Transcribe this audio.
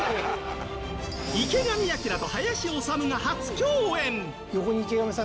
池上彰と林修が初共演！